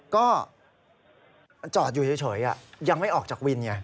ก็มันจอดอยู่เฉยยังไม่ออกจากวินไง